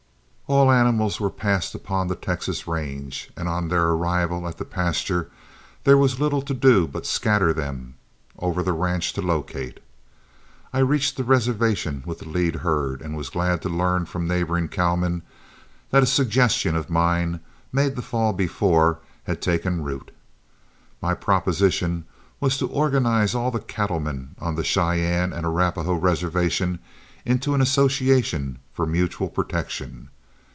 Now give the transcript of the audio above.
All animals were passed upon on the Texas range, and on their arrival at the pasture there was little to do but scatter them over the ranch to locate. I reached the reservation with the lead herd, and was glad to learn from neighboring cowmen that a suggestion of mine, made the fall before, had taken root. My proposition was to organize all the cattlemen on the Cheyenne and Arapahoe reservation into an association for mutual protection.